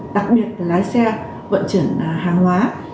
đặc biệt là lái xe vận chuyển hàng hóa